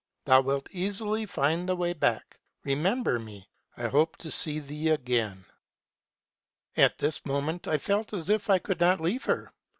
Thou wilt easily find the way back ; remember me ; I hope to see thee again.' MEISTER'S TRAVELS. 245 " At this moment I felt as if I could not leave her.